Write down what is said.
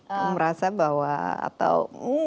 kamu merasa bahwa atau